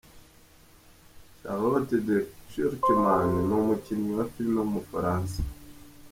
Charlotte de Turckheim ni umukinnyi wa Filime w’umufaransa.